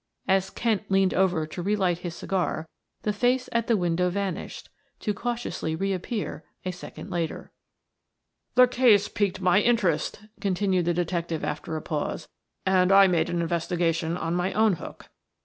As Kent leaned over to relight his cigar, the face at the window vanished, to cautiously reappear a second later. "The case piqued my interest," continued the detective after a pause. "And I made an investigation on my own hook.